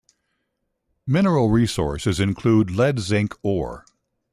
Mineral resources include lead-zinc ore.